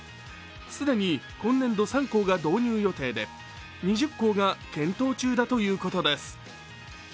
既に今年度３校が導入予定で２０校が検討中だということです。